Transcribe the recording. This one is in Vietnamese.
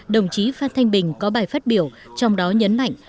đồng chí phan thanh bình có bài phát biểu trong đó nhấn mạnh